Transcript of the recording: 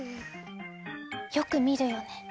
よく見るよね。